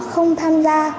không tham gia